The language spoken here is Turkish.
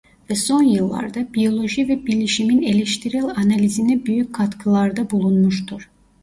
Ve son yıllarda biyoloji ve bilişimin eleştirel analizine büyük katkılarda bulunmuştur.